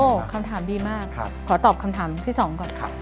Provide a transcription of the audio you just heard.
โอ้คำถามดีมากขอตอบคำถามที่สองก่อน